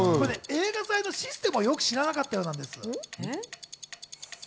映画祭のシステムをよく知らなかったようなんです。